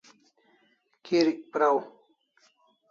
Kirik praw